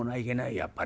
やっぱり。